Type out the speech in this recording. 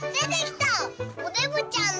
おデブちゃんだ！